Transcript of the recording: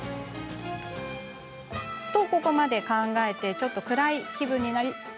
と、ここまで考えてちょっと暗い気分に。